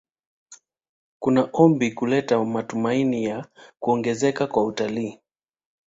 Kuna ombi kuleta matumaini ya kuongezeka kwa utalii